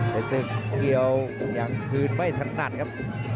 แต่ซึ่งเกี่ยวอย่างคืนไม่ถนัดครับ